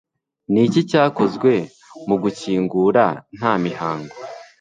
Niki cyakozwe mugukingura nta mihango